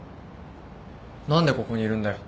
何でここにいるんだよ？